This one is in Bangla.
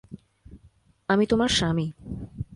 আমি তোমার স্বামী।